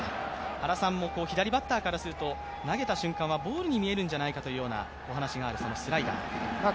原さんも左バッターからすると、投げた瞬間はボールに見えるんじゃないかというお話のあるスライダー。